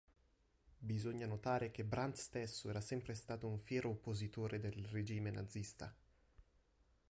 Bisogna notare che Brandt stesso era stato sempre un fiero oppositore del regime nazista.